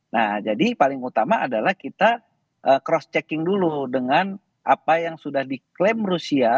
nah jadi paling utama adalah kita cross checking dulu dengan apa yang sudah diklaim rusia